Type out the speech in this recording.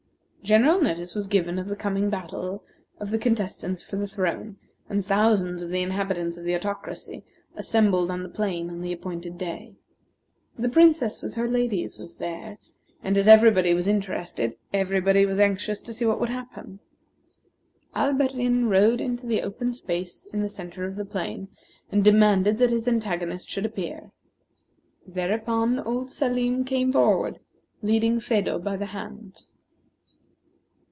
General notice was given of the coming battle of the contestants for the throne, and thousands of the inhabitants of the Autocracy assembled on the plain on the appointed day. The Princess with her ladies was there; and as everybody was interested, everybody was anxious to see what would happen. Alberdin rode into the open space in the centre of the plain, and demanded that his antagonist should appear. Thereupon old Salim came forward, leading Phedo by the hand.